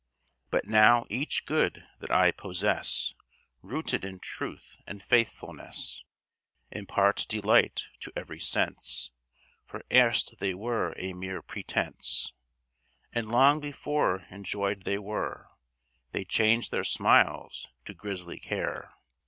But now each good that I possess, Rooted in truth and faithfulness, Imparts delight to every sense; For erst they were a mere pretense, And long before enjoyed they were, They changed their smiles to grisly care.